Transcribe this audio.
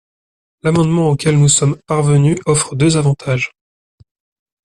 L’amendement auquel nous sommes parvenus offre deux avantages.